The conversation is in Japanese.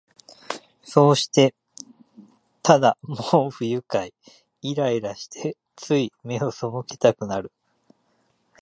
そうして、ただもう不愉快、イライラして、つい眼をそむけたくなる